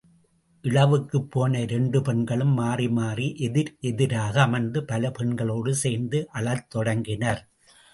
இழவுக்குப்போன இரண்டு பெண்களும் மாறி மாறி எதிர் எதிராக அமர்ந்த பல பெண்களோடு சேர்ந்து அழத் தொடங்கினர்.